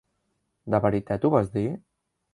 De veritat ho vas dir?